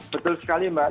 betul sekali mbak